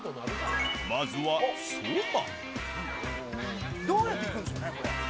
まずはそば。